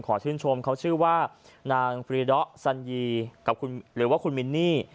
ชื่นชมเขาชื่อว่านางฟรีดอสัญญีกับคุณหรือว่าคุณมินนี่